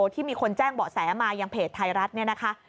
ที่มีคนแจ้งเบาะแสมายังเพจไทยรัฐเนี่ยนะคะ